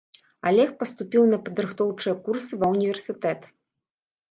Алег паступіў на падрыхтоўчыя курсы ва ўніверсітэт.